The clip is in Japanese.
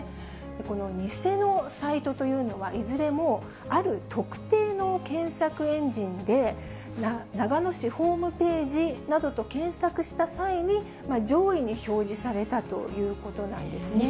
この偽のサイトというのは、いずれも、ある特定の検索エンジンで、長野市ホームページなどと検索した際に、上位に表示されたということなんですね。